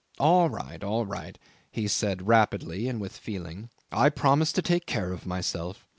"All right, all right," he said, rapidly, and with feeling. "I promise to take care of myself.